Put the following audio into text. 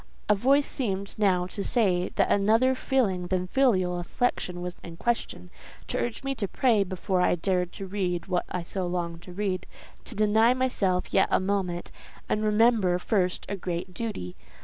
A voice seemed now to say that another feeling than filial affection was in question—to urge me to pray before I dared to read what I so longed to read—to deny myself yet a moment, and remember first a great duty.